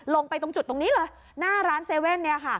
ลงไปตรงจุดตรงนี้เหรอหน้าร้านเซเว่น